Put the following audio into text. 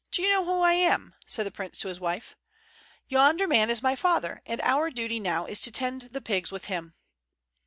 "Do you know who I am?" said the prince to his wife. "Yonder man is my father, and our duty now is to tend the pigs with him."